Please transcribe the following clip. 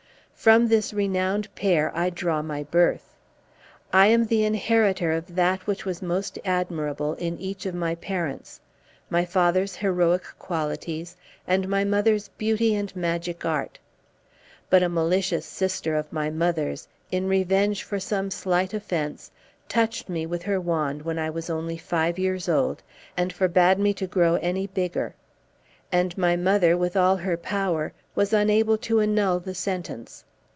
From this renowned pair I draw my birth. I am the inheritor of that which was most admirable in each of my parents: my father's heroic qualities, and my mother's beauty and magic art. But a malicious sister of my mother's, in revenge for some slight offence, touched me with her wand when I was only five years old, and forbade me to grow any bigger; and my mother, with all her power, was unable to annul the sentence.